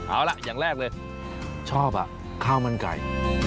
เอาล่ะอย่างแรกเลยชอบข้าวมันไก่